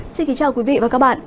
xin kính chào quý vị và các bạn